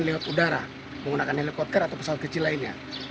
tidak bisa dilakukan lewat udara menggunakan helikopter atau pesawat kecil lainnya